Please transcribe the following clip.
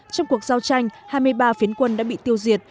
trong cuộc giao tranh hai mươi ba phiến quân đã bị tiêu diệt